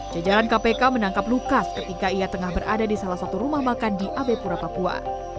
jajaran kpk menangkap lukas ketika ia tengah berada di salah satu rumah makan di abe pura papua